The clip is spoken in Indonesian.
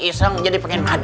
perut iseng jadi pengen madang